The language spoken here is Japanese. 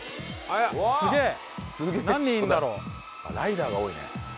あっライダーが多いね。